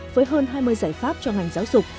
với hơn hai mươi giải pháp cho ngành giáo dục